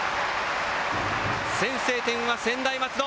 先制点は専大松戸。